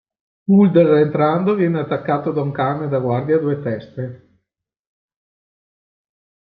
Mulder entrando viene attaccato da un cane da guardia a due teste.